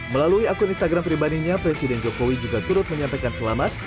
melalui akun instagram pribadinya presiden jokowi juga turut menyampaikan selamat